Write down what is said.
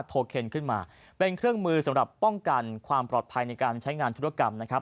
โคนขึ้นมาเป็นเครื่องมือสำหรับป้องกันความปลอดภัยในการใช้งานธุรกรรมนะครับ